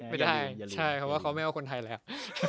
ไม่ได้เขาไม่เอาคนไทยแหละ